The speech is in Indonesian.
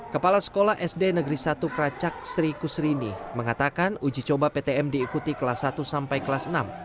kepala sekolah sd negeri satu keracak sri kusrini mengatakan uji coba ptm diikuti kelas satu sampai kelas enam